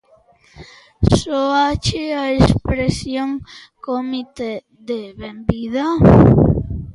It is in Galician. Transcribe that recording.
Sóache a expresión "comité de benvida"?